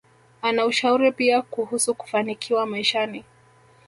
Ana ushauri pia kuhusu kufanikiwa maishani